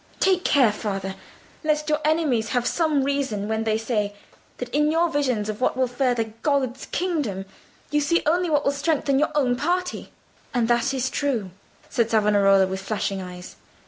Take care, father, lest your enemies have some reason when they say, that in your visions of what will further God's kingdom you see only what will strengthen your own party." "And that is true!" said Savonarola, with flashing eyes.